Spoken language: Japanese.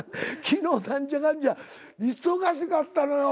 昨日何じゃかんじゃ忙しかったのよ。